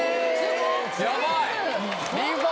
やばい！